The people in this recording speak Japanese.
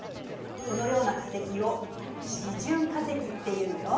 そのような化石を「示準化石」っていうのよ。